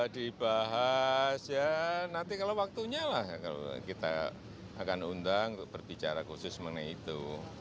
dibahas ya nanti kalau waktunya lah kita akan undang untuk berbicara khusus mengenai itu